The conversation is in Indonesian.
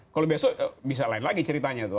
kalau besok bisa lain lagi ceritanya tuh